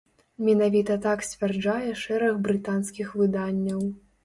Менавіта так сцвярджае шэраг брытанскіх выданняў.